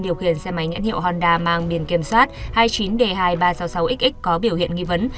điều khiển xe máy nhãn hiệu honda mang biển kiểm sát hai mươi chín d hai nghìn ba trăm sáu mươi sáu x có biểu hiện nghi vấn